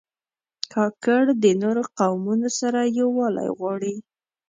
کاکړ د نورو قومونو سره یووالی غواړي.